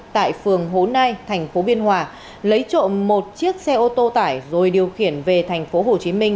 tại phường hồ nai thành phố biên hòa lấy trộm một chiếc xe ô tô tải rồi điều khiển về thành phố hồ chí minh